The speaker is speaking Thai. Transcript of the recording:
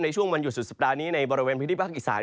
ในช่วงวันหยุดสุดสัปดาห์นี้ในบริเวณพื้นที่ภาคอีสาน